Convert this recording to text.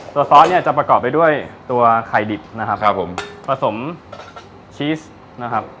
ซอสเนี่ยจะประกอบไปด้วยตัวไข่ดิบนะครับครับผมผสมชีสนะครับ